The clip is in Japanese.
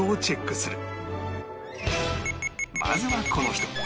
まずはこの人